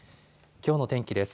きょうの天気です。